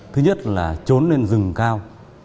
thứ nhất là trốn lên rừng cao